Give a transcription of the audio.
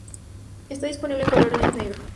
Está disponible en colores negro.